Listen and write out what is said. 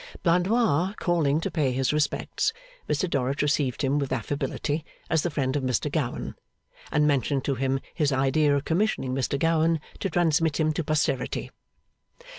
Blandois calling to pay his respects, Mr Dorrit received him with affability as the friend of Mr Gowan, and mentioned to him his idea of commissioning Mr Gowan to transmit him to posterity.